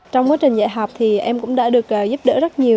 trong quá trình dạy học thì em cũng đã được giúp đỡ rất nhiều